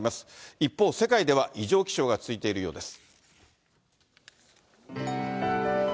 一方、世界では異常気象が続いているようです。